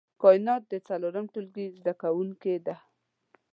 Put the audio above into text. کاينات د څلورم ټولګي زده کوونکې ده